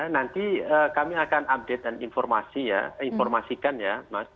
nanti kami akan update dan informasikan ya